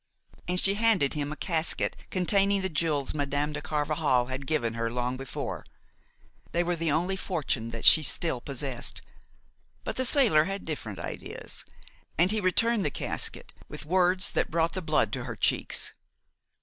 And she handed him a casket containing the jewels Madame de Carvajal had given her long before; they were the only fortune that she still possessed. But the sailor had different ideas, and he returned the casket with words that brought the blood to her cheeks.